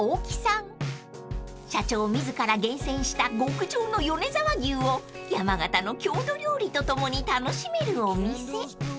［社長自ら厳選した極上の米沢牛を山形の郷土料理と共に楽しめるお店］